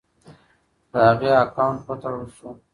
د هغې اکاونټ وتړل شو.